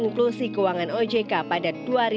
inklusi keuangan ojk pada dua ribu sembilan belas